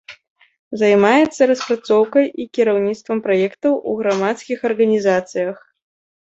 Займаецца распрацоўкай і кіраўніцтвам праектаў у грамадскіх арганізацыях.